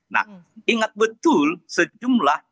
nah ingat betul sejumlah cita cita